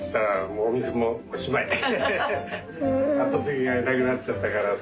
あとつぎがいなくなっちゃったからさあ。